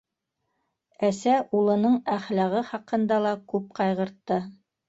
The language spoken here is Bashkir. Әсә улының әхлағы хаҡында ла күп ҡайғыртты.